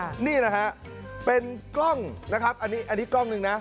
วันนี้นะฮะเป็นกล้องนะครับอันนี้กล้องนึงนะ